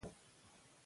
درخواست √غوښتنه